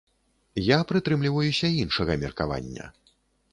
Я прытрымліваюся іншага меркавання.